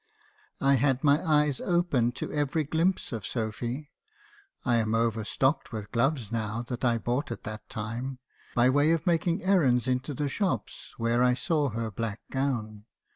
"I had my eyes open to every glimpse of Sophy. I am overstocked with gloves now that I bought at that time , by way of making errands into the shops where I saw her black gown.